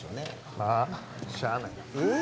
まあしゃあないなええ！？